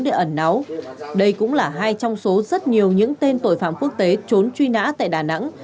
để ẩn náu đây cũng là hai trong số rất nhiều những tên tội phạm quốc tế trốn truy nã tại đà nẵng